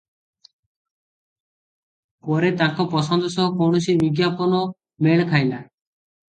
ପରେ ତାଙ୍କ ପସନ୍ଦ ସହ କୌଣସି ବିଜ୍ଞାପନ ମେଳଖାଇଲା ।